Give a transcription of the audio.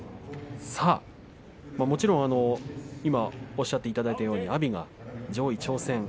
もちろんおっしゃっていただいたように阿炎が上位挑戦